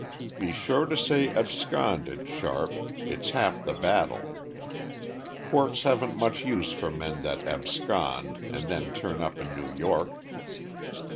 Be sure to say absconded, Sharp, it's half the battle. Courts haven't much use for men that abscond and then turn up in New York.